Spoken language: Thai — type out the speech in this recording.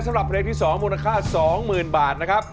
สำหรับเพลงที่๒มูลค่า๒๐๐๐บาทนะครับ